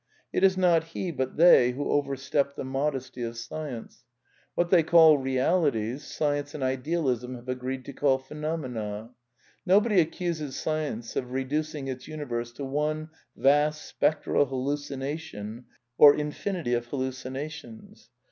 It is not he but they who overstep the modesty of Science. What y/^ they call realities ^' Science and Idealism have agreed to j^ call " phenomena." Nobody accuses Science of reducing its universe to one vast spectral hallucination or infinity of hallucinations.